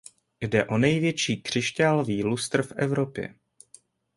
Jde o největší křišťálový lustr v Evropě.